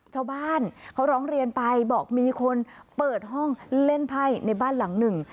ชาวบ้านเขาร้องเรียนไปบอกมีคนเปิดห้องเล่นไพ่ในบ้านหลังหนึ่ง